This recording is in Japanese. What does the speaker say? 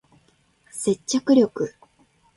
接着力